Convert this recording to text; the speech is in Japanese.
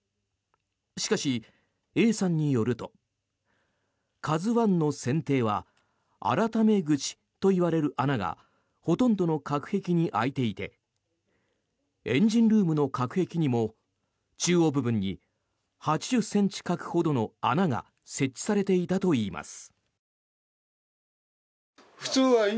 しかし、Ａさんによると「ＫＡＺＵ１」の船底は改め口といわれる穴がほとんどの隔壁に開いていてエンジンルームの隔壁にも中央部分に８０ｃｍ角ほどの穴が設置されていたといいます。